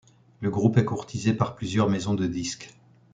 Le groupe est courtisé par plusieurs maisons de disque.